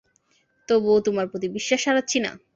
তবুও, তোমার প্রতি বিশ্বাস হারাচ্ছি না।